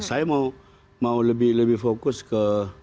saya mau lebih fokus ke